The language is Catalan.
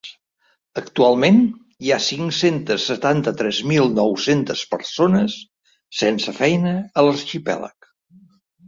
Actualment hi ha cinc-cents setanta-tres mil nou-centes persones sense feina a l’arxipèlag.